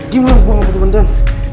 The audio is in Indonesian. gimana gue mau bantu bantuin